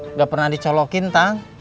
nggak pernah dicolokin tang